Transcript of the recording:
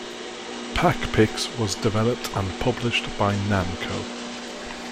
"Pac-Pix" was developed and published by Namco.